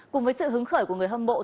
cùng với sự hứng khởi của người hâm mộ